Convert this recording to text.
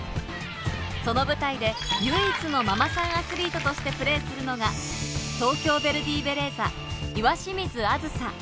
その舞台で、唯一のママさんアスリートとしてプレーするのが東京ヴェルディベレーザ・岩清水梓。